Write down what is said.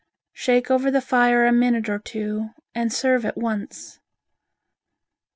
Shake over the fire a minute or two and serve at once.